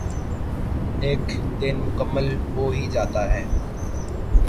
ایک دن مکمل ہو ہی جاتا یے